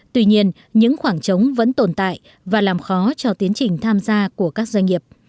tuy nhiên những khoảng trống vẫn tồn tại và làm khó cho tiến trình tham gia của các doanh nghiệp